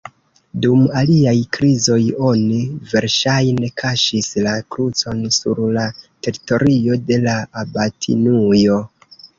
Dum aliaj krizoj oni verŝajne kaŝis la krucon sur la teritorio de la abatinujo.